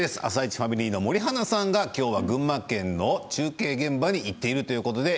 ファミリーの森花さんが群馬県の中継現場に行っているということです。